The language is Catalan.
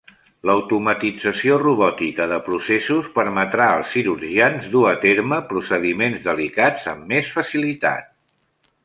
L'automatització robòtica de processos permetrà als cirurgians dur a terme procediments delicats amb més facilitat.